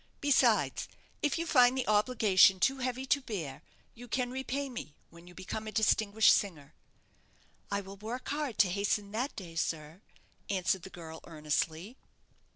Besides, if you find the obligation too heavy to bear, you can repay me when you become a distinguished singer." "I will work hard to hasten that day, sir," answered the girl, earnestly.